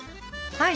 はい。